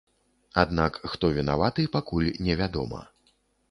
Аднак хто вінаваты, пакуль невядома.